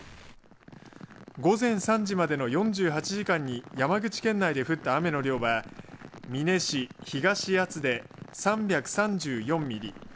午前３時までの４８時間に山口県内で降った雨の量は美祢市東厚保で３３４ミリ